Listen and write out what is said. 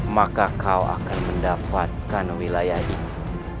maka kau akan mendapatkan wilayah itu